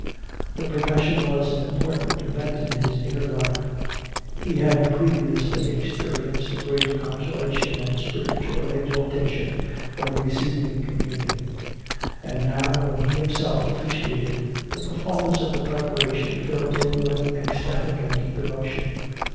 The profession was an important event in his inner life. He had previously experienced a great consolation and spiritual exaltation when receiving communion, and now when he himself officiated, the performance of the preparation filled him with ecstatic and deep emotion.